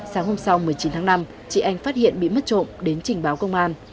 sáng hôm sau một mươi chín tháng năm chị anh phát hiện bị mất trộm đến trình báo công an